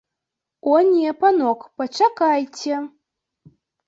О не, панок, пачакайце!